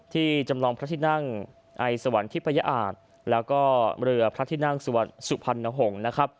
ที่จำลองพระทินั่งไอสวรรคิพยาอาทและเรือพระทินั่งสุพรรณหงษ์